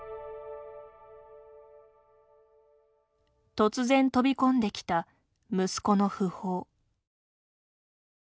突然飛び込んできた、息子の訃報。